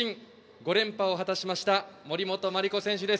５連覇を果たしました森本麻里子選手です。